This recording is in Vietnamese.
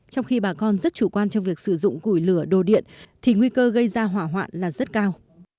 trong khi bà con rất chủ quan trong việc sử dụng củi lửa đồ điện thì nguy cơ gây ra hỏa hoạn là rất cao